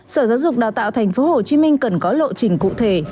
sở giáo dục đào tạo tp hcm cần có lộ trình cụ thể